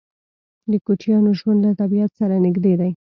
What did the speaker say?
د کوچیانو ژوند له طبیعت سره نږدې دی.